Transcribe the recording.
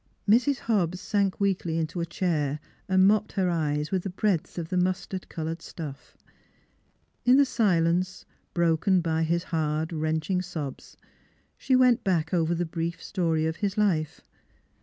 " Mrs. Hobbs sank weakly into a chair and mopped her eyes with a breadth of the mustard colored stuff. In the silence, broken by his hard, wrenching sobs, she went back over the brief story of his life.